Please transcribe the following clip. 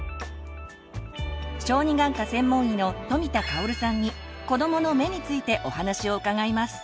小児眼科専門医の富田香さんに「子どもの目」についてお話を伺います。